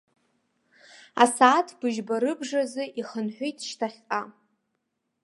Асааҭ быжьба рыбжазы ихынҳәит шьҭахьҟа.